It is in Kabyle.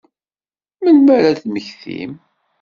Melmi ara ad temmektim?